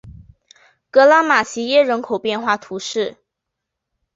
格拉马齐耶人口变化图示